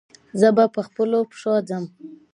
زه به پخپلو پښو ځم.